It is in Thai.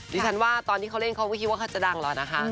ดิฉันว่าตอนที่เขาเล่นเขาก็คิดว่าเขาจะดังแล้วนะคะ